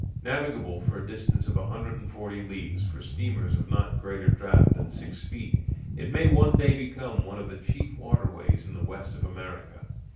Navigable for a distance of a hundred and forty leagues for steamers of not greater draught than six feet, it may one day become one of the chief waterways in the west of America.